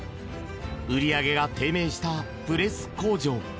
売り上げが低迷したプレス工場。